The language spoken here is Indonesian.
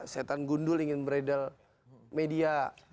setan gundul ingin beredar media